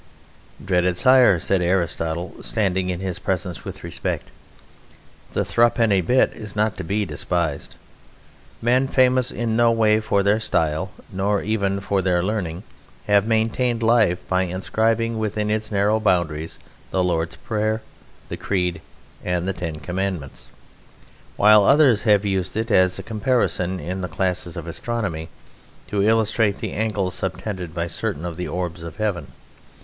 "Dread sire," said Aristotle, standing in his presence with respect, "the thruppenny bit is not to be despised. Men famous in no way for their style, nor even for their learning, have maintained life by inscribing within its narrow boundaries the Lord's Prayer, the Creed, and the Ten Commandments, while others have used it as a comparison in the classes of astronomy to illustrate the angle subtended by certain of the orbs of heaven.